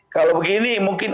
kalau begini mungkin